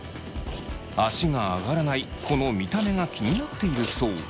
足が上がらないこの見た目が気になっているそう。